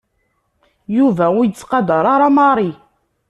Yuba ur yettqadeṛ ara Mary.